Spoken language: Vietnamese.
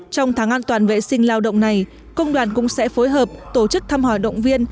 trong tháng an toàn vệ sinh lao động này công đoàn cũng sẽ phối hợp tổ chức thăm hỏi động viên